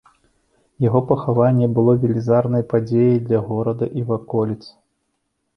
Яго пахаванне было велізарнай падзеяй для горада і ваколіц.